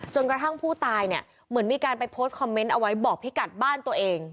กระทั่งผู้ตายเนี่ยเหมือนมีการไปโพสต์คอมเมนต์เอาไว้บอกพี่กัดบ้านตัวเอง